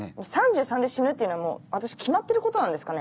３３で死ぬっていうのは私決まってることなんですかね？